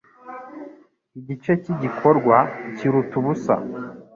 Igice cy'igikorwa cyiruta ubusa